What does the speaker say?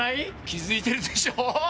気づいてるでしょう。